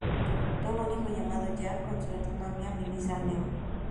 Tuvo un hijo llamado Jack con su exnovia Melissa Leo.